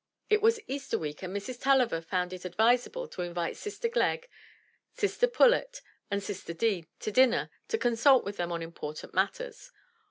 It was Easter week and Mrs. TuUiver found it advisable to in vite sister Glegg, sister Pullet and sister Deane to dinner to consult with them on important matters.